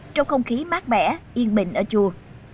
trong không khí mát mẻ yên bình ở chùa